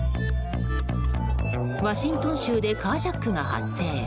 ワシントン州でカージャックが発生。